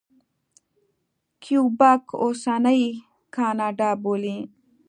کیوبک اوسنۍ کاناډا بولي.